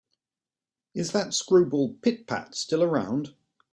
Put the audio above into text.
Is that screwball Pit-Pat still around?